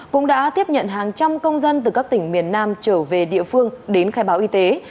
cũng đã tiếp nhận hàng trăm công dân từ các tỉnh miền nam trở về địa phương đến khai báo y tế